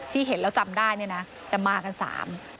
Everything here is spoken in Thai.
เห็นแล้วจำได้เนี่ยนะแต่มากันสาม